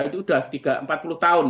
itu udah tiga empat puluh tahun